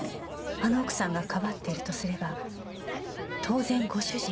あの奥さんがかばっているとすれば当然ご主人が。